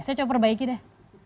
saya coba perbaiki deh